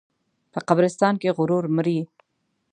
په قبرستان کې غرور مري.